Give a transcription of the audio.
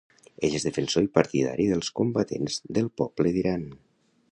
Ell és defensor i partidari dels Combatents del Poble d"Iran.